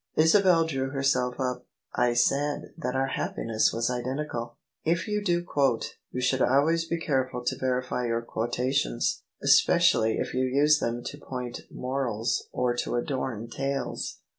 Isabel drew herself up : "I said that our happiness was identical. If you do quote, you should always be careful to verify your quotations — especially if you use them to point morals or to adorn tales."